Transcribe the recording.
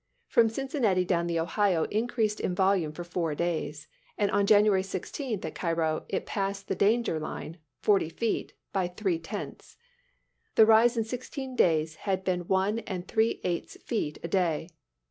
From Cincinnati down the Ohio increased in volume for four days, and on January 16, at Cairo, it passed the danger line (forty feet) by three tenths. The rise in sixteen days had been one and three eighths feet a day.